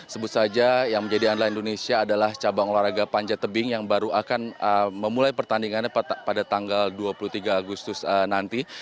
sebut saja yang menjadi andalan indonesia adalah cabang olahraga panjat tebing yang baru akan memulai pertandingannya pada tanggal dua puluh tiga agustus nanti